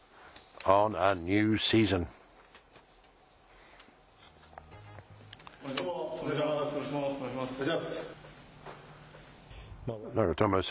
お願いします。